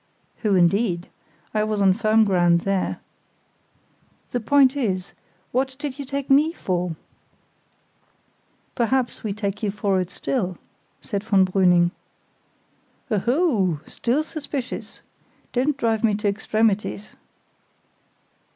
(Who indeed? I was on firm ground there.) "The point is, what did you take me for?" "Perhaps we take you for it still," said von Brüning. "Oho! Still suspicious? Don't drive me to extremities."